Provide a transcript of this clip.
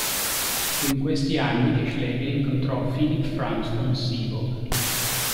Fu in questi anni che Schlegel incontrò Philipp Franz von Siebold.